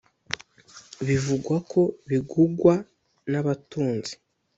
bivugwa ko bigugwa n’abatunzi